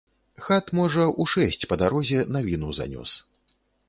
Хат, можа, у шэсць па дарозе навіну занёс.